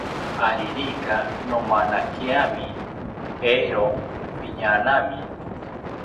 Aririka nomanakiami, eero piñaanami